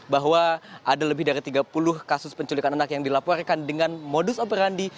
bahwa ada lebih dari tiga puluh kasus penculikan anak yang dilaporkan dengan modus operandi